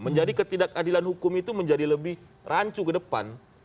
menjadi ketidakadilan hukum itu menjadi lebih rancu ke depan